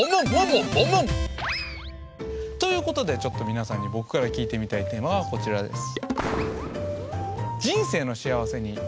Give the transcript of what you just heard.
モンモン！ということでちょっと皆さんに僕から聞いてみたいテーマがこちらです。